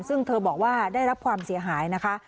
ซึ่งเธอบอกว่าได้รับความเสียหายนะคะ